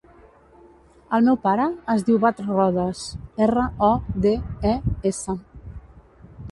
El meu pare es diu Badr Rodes: erra, o, de, e, essa.